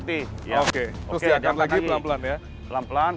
terus diangkat lagi pelan pelan ya